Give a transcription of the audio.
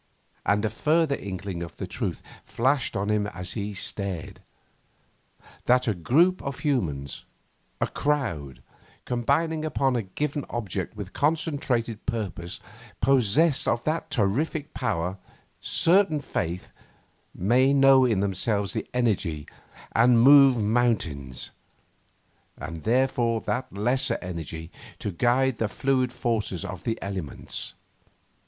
And a further inkling of the truth flashed on him as he stared: that a group of humans, a crowd, combining upon a given object with concentrated purpose, possessed of that terrific power, certain faith, may know in themselves the energy to move great mountains, and therefore that lesser energy to guide the fluid forces of the elements.